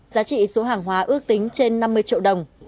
giá trị số hàng hóa ước tính trên năm mươi triệu đồng